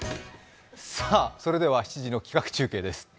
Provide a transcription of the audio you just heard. さあ、それでは７時の企画中継です。